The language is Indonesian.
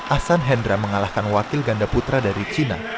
ahsan hendra mengalahkan wakil ganda putra dari cina